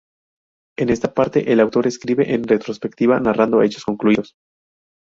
En esta parte, el autor escribe en retrospectiva, narrando hechos concluidos.